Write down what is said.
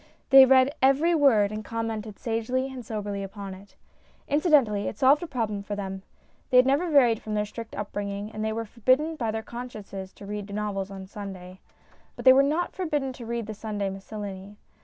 They read every word and commented sagely and soberly upon it. Incidentally, it solved a problem for them. They had never varied from their strict upbring ing, and they were forbidden by their consciences to read novels on Sunday. But they were not forbidden to read The Sunday Miscellany.